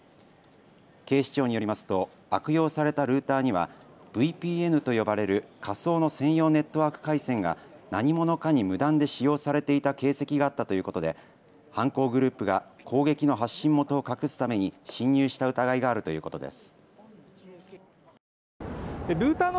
警視庁によりますと悪用されたルーターにはＶＰＮと呼ばれる仮想の専用ネットワーク回線が何者かに無断で使用されていた形跡があったということで犯行グループが攻撃の発信元を隠すために侵入した疑いがあるということです。